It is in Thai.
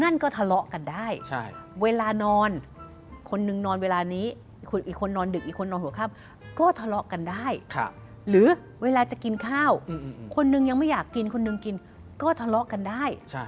เออท้อห้องน้ำอะแบบชี้กระเด็นนั่นก็ทะเลาะกันได้